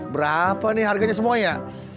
berapa nih harganya semuanya